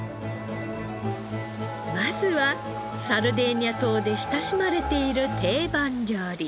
まずはサルデーニャ島で親しまれている定番料理。